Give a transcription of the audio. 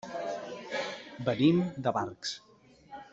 Venim de Barx.